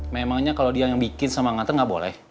memangnya kalau dia yang bikin sama nganter nggak boleh